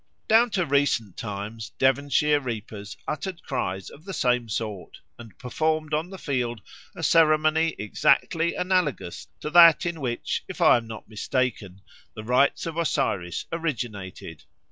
Down to recent times Devonshire reapers uttered cries of the same sort, and performed on the field a ceremony exactly analogous to that in which, if I am not mistaken, the rites of Osiris originated.